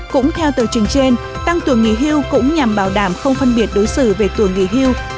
cũng theo tờ trình trên tăng tuổi nghỉ hưu cũng nhằm bảo đảm không phân biệt đối xử về tuổi nghỉ hưu